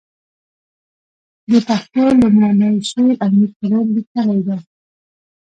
د پښتو لومړنی شعر امير کروړ ليکلی ده.